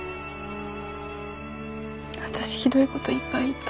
私ひどいこといっぱい言った。